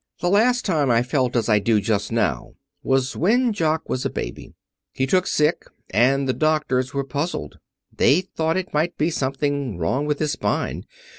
"The last time I felt as I do just now was when Jock was a baby. He took sick, and the doctors were puzzled. They thought it might be something wrong with his spine.